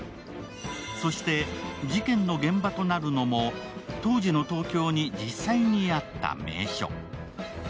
そして、事件の現場となるのも当時の東京に実際にあった名所。